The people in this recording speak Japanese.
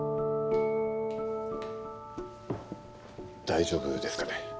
大丈夫ですかね？